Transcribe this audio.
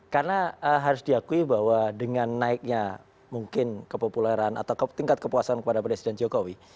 karena harus diakui bahwa dengan naiknya mungkin kepopuleran atau tingkat kepuasan kepada presiden jokowi